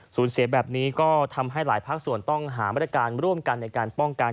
เสียแบบนี้ก็ทำให้หลายภาคส่วนต้องหามาตรการร่วมกันในการป้องกัน